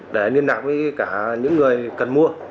để liên lạc với cả những người cần mua